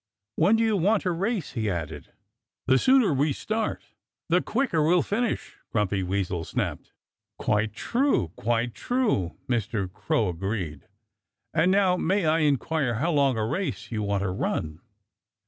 "When do you want to race?" he added. "The sooner we start the quicker we'll finish," Grumpy Weasel snapped. "Quite true, quite true!" Mr. Crow agreed. "And now may I inquire how long a race you want to run?"